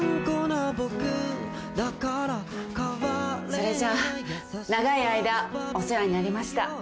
それじゃ長い間お世話になりました。